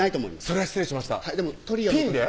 それは失礼しましたピンで？